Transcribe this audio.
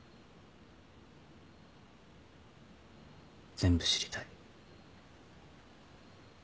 全部知りたい。